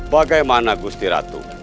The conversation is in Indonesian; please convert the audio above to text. bagaimana gusti ratu